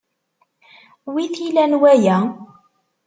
Wi t-ilan waya?